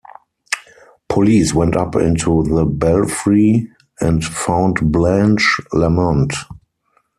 Police went up into the belfry and found Blanche Lamont.